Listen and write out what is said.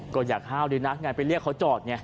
ก็อย่าเห้าดินะนายไปเรียกเขาจอดเนี่ย